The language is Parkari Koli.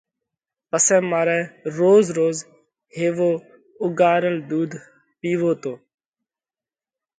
پسئہ مارئہ روز روز هيوَو اُوڳارل ۮُوڌ پِيوو پڙشي۔